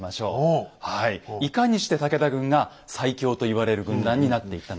いかにして武田軍が最強と言われる軍団になっていったのか